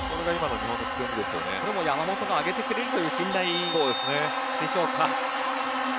山本が上げてくれるという信頼でしょうか。